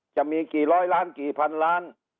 จะมีกี่ร้อยล้านกี่พันล้าน